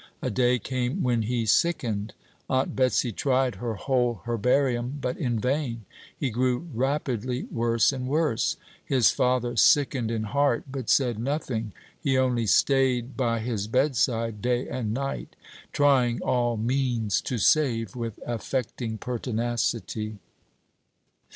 A day came when he sickened. Aunt Betsey tried her whole herbarium, but in vain: he grew rapidly worse and worse. His father sickened in heart, but said nothing; he only staid by his bedside day and night, trying all means to save, with affecting pertinacity.